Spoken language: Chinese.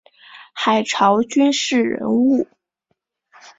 清朝军事人物。